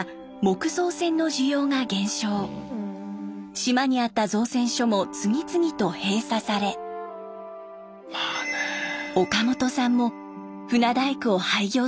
島にあった造船所も次々と閉鎖され岡本さんも船大工を廃業することに。